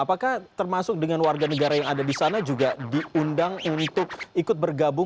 apakah termasuk dengan warga negara yang ada di sana juga diundang untuk ikut bergabung